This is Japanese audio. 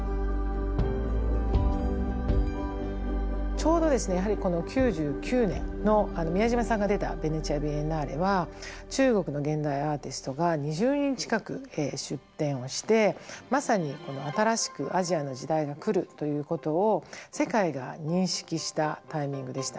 ちょうどですねやはりこの９９年の宮島さんが出たベネチア・ビエンナーレは中国の現代アーティストが２０人近く出展をしてまさに新しくアジアの時代が来るということを世界が認識したタイミングでした。